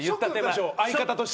相方として。